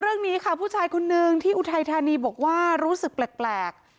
เรื่องนี้ค่ะผู้ชายคนนึงที่อุทัยธานีบอกว่ารู้สึกแปลก